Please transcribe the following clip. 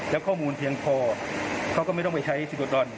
แล้วข้อมูลเพียงพอเขาก็ไม่ต้องไปใช้ซิโกดอน